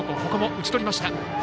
ここも打ち取りました。